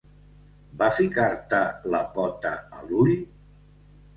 Va ficar-te la pota al ull?